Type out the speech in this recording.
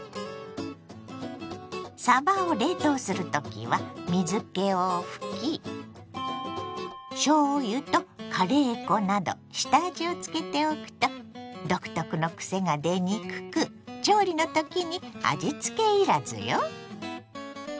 さばを冷凍する時は水けを拭きしょうゆとカレー粉など下味をつけておくと独特のくせが出にくく調理の時に味つけ要らずよ。